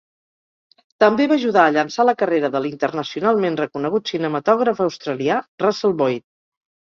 També va ajudar a llançar la carrera de l'internacionalment reconegut cinematògraf australià Russell Boyd.